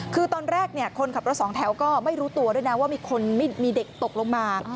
คือตอนแรกคนขับรถสองแถวก็ไม่รู้ตัวด้วยนะว่ามีคนมีเด็กตกลงมา